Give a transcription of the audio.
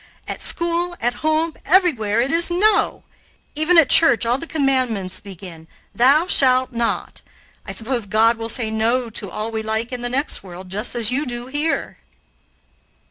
At school, at home, everywhere it is no! Even at church all the commandments begin 'Thou shalt not.' I suppose God will say 'no' to all we like in the next world, just as you do here."